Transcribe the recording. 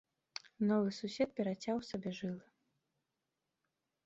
Новы сусед перацяў сабе жылы.